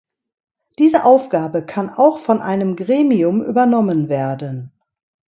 Diese Aufgabe kann auch von einem Gremium übernommen werden.